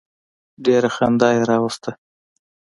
ډېره خندا یې راوسته.